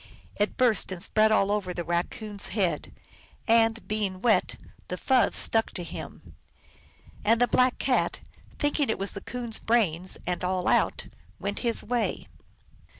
It burst and spread all over the Raccoon s head, and, being wet, the fuzz stuck to him. And the Black Cat, thinking it was the Coon s brains and all out, went his way.